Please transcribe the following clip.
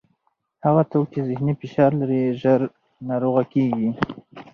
هغه څوک چې ذهني فشار لري، ژر ناروغه کېږي.